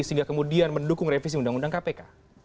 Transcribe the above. sehingga kemudian mendukung revisi undang undang kpk